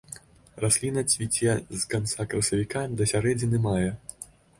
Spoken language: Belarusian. Расліна цвіце з канца красавіка да сярэдзіны мая.